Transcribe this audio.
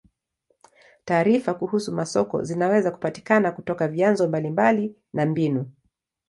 Taarifa kuhusu masoko zinaweza kupatikana kutoka vyanzo mbalimbali na na mbinu.